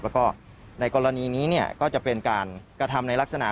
แล้วก็ในกรณีนี้ก็จะเป็นการกระทำในลักษณะ